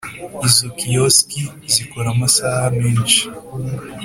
Izo kiosks zikora amasaha menshi